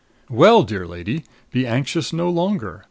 Well, dear lady, be anxious no longer.